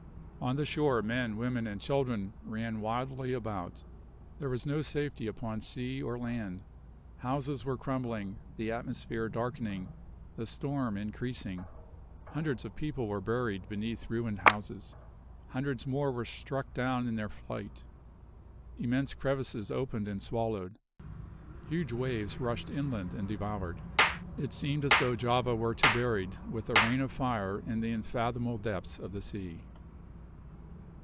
On the shore, men, women and children ran wildly about. There was no safety upon sea or land. Houses were crumbling, the atmosphere darkening, the storm increasing. Hundreds of people were buried beneath ruined houses. Hundreds more were struck down in their flight. Immense crevices opened and swallowed; huge waves rushed inland and devoured. It seemed as though Java were to buried, with a rain of fire, in the unfathomable depths of the sea.